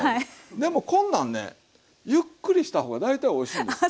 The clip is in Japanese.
でもこんなんねゆっくりした方が大体おいしいんですよ。